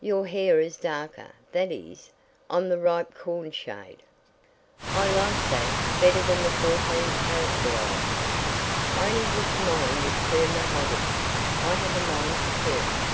"Your hair is darker that is, on the ripe corn shade. I like that better than the fourteen karat variety. I only wish mine would turn mahogany. I have a mind to turn it."